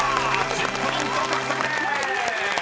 １０ポイント獲得です］